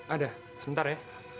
ada sebentar ya